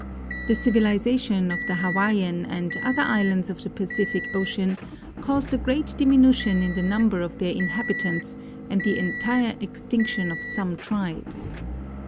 162 THE EFFECTS OF GEOGRAPHIC ENVIRONMENT ilization of the Hawaiian and other islands of the Pacific ocean caused a great diminution in the number of their inhabitants and the entire extinction of some tribes.